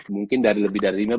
mungkin dari lebih dari lima belas